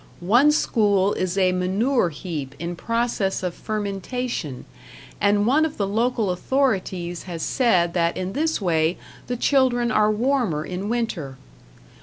One school is a manure heap in process of fermentation, and one of the local authorities has said that in this way the children are warmer in winter.